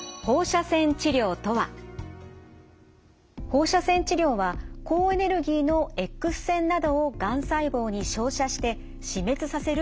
放射線治療は高エネルギーのエックス線などをがん細胞に照射して死滅させる治療法です。